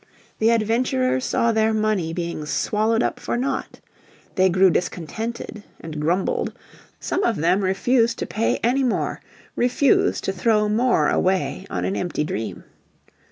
The adventurers saw their money being swallowed up for nought. They grew discontented and grumbled, some of them refused to pay any more, refused to throw more away on an empty dream.